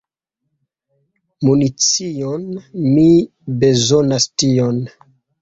Municion! Mi bezonas tion.